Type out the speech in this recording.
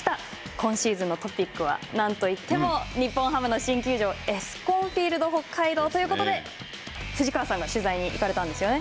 今シーズンのトピックは、なんといっても、日本ハムの新球場、エスコンフィールドＨＯＫＫＡＩＤＯということで、藤川さんが取材はい。